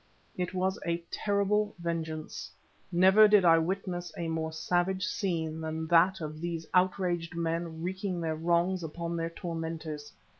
It was a terrible vengeance. Never did I witness a more savage scene than that of these outraged men wreaking their wrongs upon their tormentors.